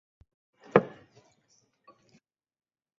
有一位妹妹名叫。